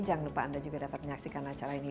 jangan lupa anda juga dapat menyaksikan acara ini